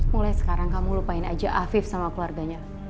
mulai sekarang kamu lupain aja afif sama keluarganya